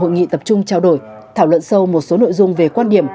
hội nghị tập trung trao đổi thảo luận sâu một số nội dung về quan điểm